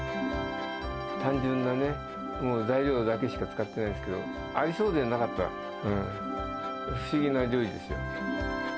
単純な材料だけしか使ってないですけど、ありそうでなかった不思議な料理ですよ。